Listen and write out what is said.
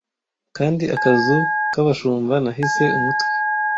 Kandi akazu k'abashumba nahishe umutwe,